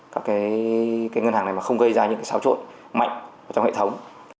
các ngân hàng này không gây ra những xáo trộn mạnh trong hệ thống